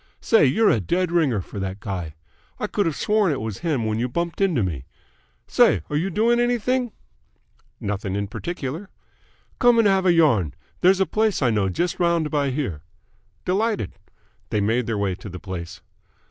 Say, you're a dead ringer for that guy! I could have sworn it was him when you bumped into me. Say, are you doing anything?" "Nothing in particular." "Come and have a yarn. There's a place I know just round by here." "Delighted." They made their way to the place.